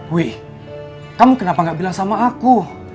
wih kamu kenapa gak bilang sama aku